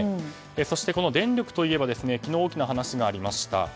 そして電力といえば昨日、大きな話がありました。